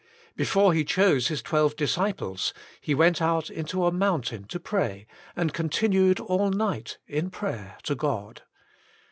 Before He chose His twelve apostles "He went out into a mountain to pray, and continued all night in prayer to God."